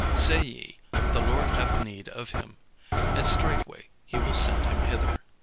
say ye, 'The Lord hath need of him;' and straightway he will send him hither."